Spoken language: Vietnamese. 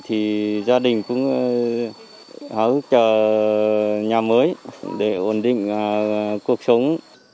thì gia đình cũng hào hức chờ nhà mới để ổn định cuộc sống